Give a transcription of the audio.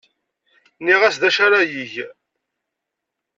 Nniɣ-as d acu ara yeg.